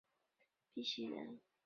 袁翼新市乡上碧溪人。